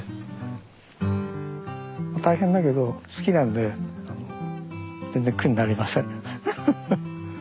大変だけど好きなんで全然苦になりません。